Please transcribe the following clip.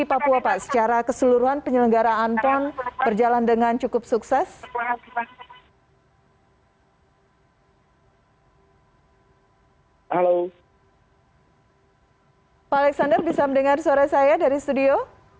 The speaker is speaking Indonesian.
pak alexander bisa mendengar suara saya dari studio